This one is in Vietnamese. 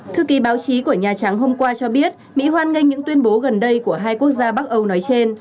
thư ký báo chí của nhà trắng hôm qua cho biết mỹ hoan nghênh những tuyên bố gần đây của hai quốc gia bắc âu nói trên